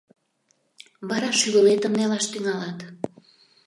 Вара шӱвылетым нелаш тӱҥалат.